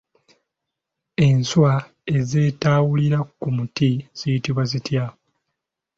Enswa ezeetawulira ku miti ziyitibwa zitya?